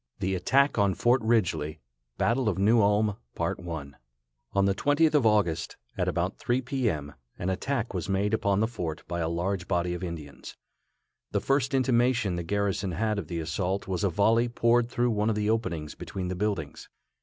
THE ATTACK ON FORT RIDGELY. On the 20th of August, at about 3 p. m., an attack was made upon the fort by a large body of Indians. The first intimation the garrison had of the assault was a volley poured through one of the openings between the buildings.